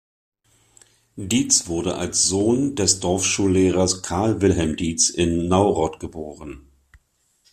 Dietz wurde als Sohn des Dorfschullehrers Carl Wilhelm Dietz in Naurod geboren.